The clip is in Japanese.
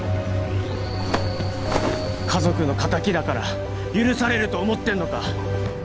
家族の敵だから許されると思ってんのか？